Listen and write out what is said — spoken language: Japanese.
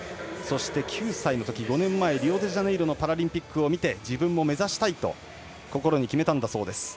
９歳のときにリオデジャネイロのパラリンピックを見て自分も目指したいと心に決めたんだそうです。